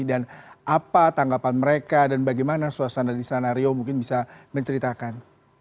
dan apa tanggapan mereka dan bagaimana suasana di sana rio mungkin bisa menceritakan